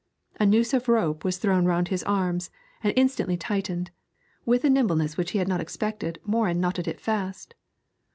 A noose of rope was thrown round his arms and instantly tightened; with a nimbleness which he had not expected Morin knotted it fast.